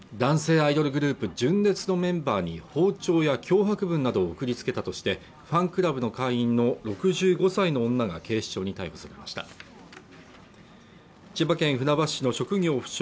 アイドルグループ純烈のメンバーに包丁や脅迫文などを送りつけたとしてファンクラブの会員の６５歳の女が警視庁に逮捕されました千葉県船橋市の職業不詳